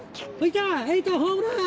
えいと、ホームラン！